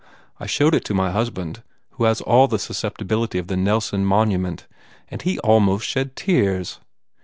I showed it to my husband who has all the susceptibility of the Nelson monument and he almost shed tears.